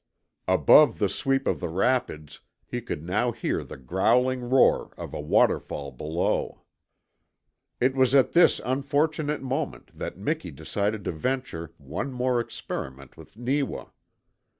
Above the sweep of the rapids he could now hear the growling roar of a waterfall below. It was at this unfortunate moment that Miki decided to venture one more experiment with Neewa.